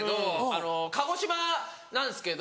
あの鹿児島なんですけど。